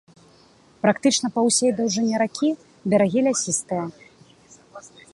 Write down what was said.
Практычна па ўсёй даўжыні ракі берагі лясістыя.